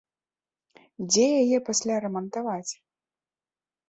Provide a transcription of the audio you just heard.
Дзе яе пасля рамантаваць?